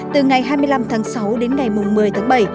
từ ngày hai mươi năm tháng sáu đến ngày một mươi tháng bảy